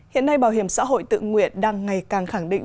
hiện nay bảo hiểm xã hội tự nguyện đang ngày càng khẳng định